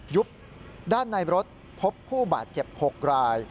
ด้านในรถพบผู้บาดเจ็บ๖ราย